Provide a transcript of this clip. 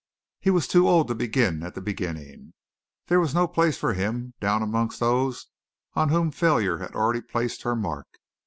He was too old to begin at the beginning. There was no place for him down amongst those on whom failure had already placed her mark.